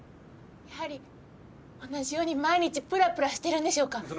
やはり同じように毎日ぷらぷらしてるんでしょうか？